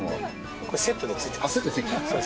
これセットで付いてます。